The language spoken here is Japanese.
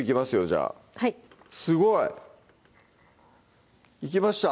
じゃあはいすごい！いきました